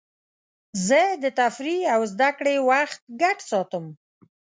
زه د تفریح او زدهکړې وخت ګډ ساتم.